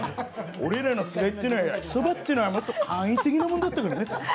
俺らの世代は焼きそばというのはもっと簡易的なものだったからね。